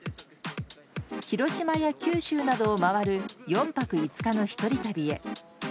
広島や九州などを回る４泊５日の一人旅へ。